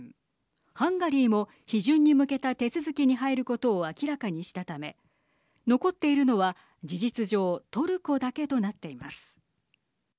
ハンガリーも批准に向けた手続きに入ることを明らかにしたため残っているのは事実上トルコだけとなっています。